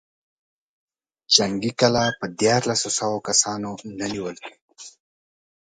جنګي کلا په ديارلسو سوو کسانو نه نېول کېږي.